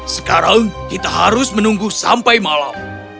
sekarang kita harus menunggu sampai malam